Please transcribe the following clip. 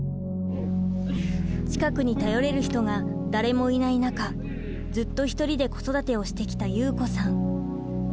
近くに頼れる人が誰もいない中ずっと１人で子育てをしてきた祐子さん。